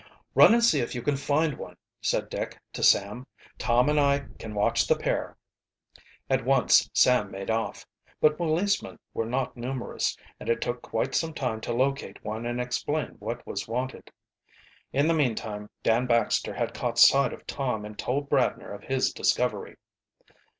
"Run and see if you can find one," said Dick to Sam. "Tom and I can watch the pair." At once Sam made off. But policemen were not numerous, and it took quite some time to locate one and explain what was wanted. In the meantime Dan Baxter had caught sight of Tom and told Bradner of his discovery.